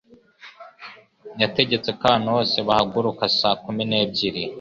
Yategetse ko abantu bose bahaguruka saa kumi n'ebyiri.